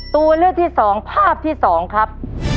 ตัวเลือกที่สองภาพที่สองครับ